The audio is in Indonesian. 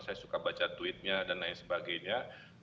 saya suka baca tweetnya dan lain sebagainya